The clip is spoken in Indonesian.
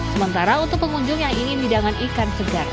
sementara untuk pengunjung yang ingin hidangan ikan segar